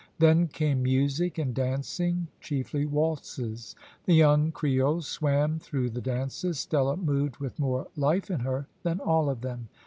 Then came music and dancing chiefly waltzes. The young Creoles swam through the dances; Stella moved with more life in her than all of them.